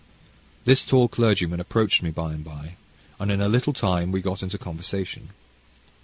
This tall clergyman approached me by and by; and in a little time we had got into conversation.